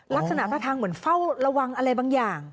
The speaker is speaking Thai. ลักษณะท่าทางเหมือนเฝ้าระวังอะไรบางอย่าง